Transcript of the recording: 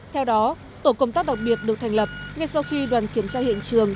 theo đó tổ công tác đặc biệt được thành lập ngay sau khi đoàn kiểm tra hiện trường